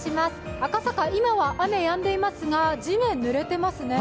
赤坂、今は雨がやんでいますが地面、ぬれていますね。